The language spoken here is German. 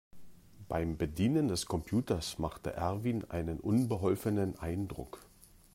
Beim Bedienen des Computers machte Erwin einen unbeholfenen Eindruck.